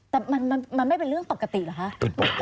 แต่มันไม่เป็นเรื่องปกติเหรอคะ